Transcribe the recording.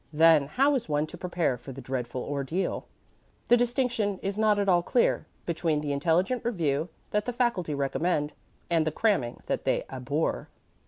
Then how is one to prepare for the dreadful ordeal? The distinction is not at all clear between the intelligent review that the faculty recommend and the cramming that they abhor.